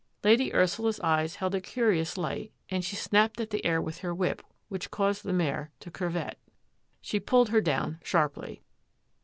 Lady Ursula's eyes held a curious light and she snapped at the air with her whip, which caused the mare to curvet. She pulled her down sharply.